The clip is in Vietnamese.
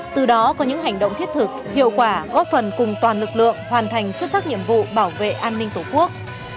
từ đó có những hành động thiết thực hiệu quả góp phần cùng toàn lực lượng hoàn thành xuất sắc nhiệm vụ bảo vệ an ninh tổ quốc